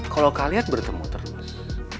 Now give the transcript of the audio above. kalo kalian bertemu terus